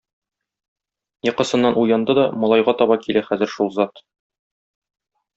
Йокысыннан уянды да малайга таба килә хәзер шул зат.